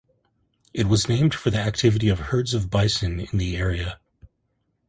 It was named for the activity of herds of bison in the area.